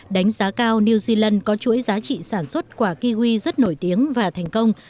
đánh giá cao new zealand có chuỗi giá trị sản xuất quả kiwi rất nổi tiếng và thành công